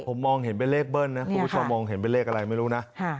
ผมมองเห็นเป็นเลขเบิ้ลนะคุณผู้ชมมองเห็นเป็นเลขอะไรไม่รู้นะ